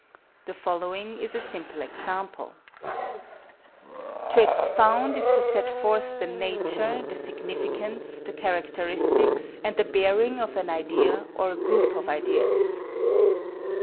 The following is a simple example: To expound is to set forth the nature, the significance, the characteristics, and the bearing of an idea or a group of ideas.